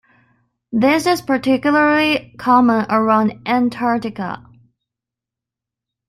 This is particularly common around Antarctica.